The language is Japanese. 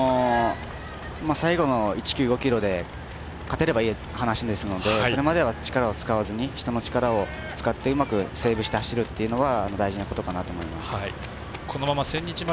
最後の０．１９５ｋｍで勝てればいい話ですのでそれまでは力を使わずに人の力を使ってうまくセーブして走るというのは大事なことかなと思います。